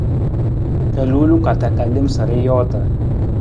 Ra luu loko ta lem sa ra joota.